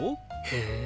へえ！